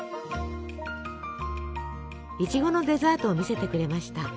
いちごのデザートを見せてくれました。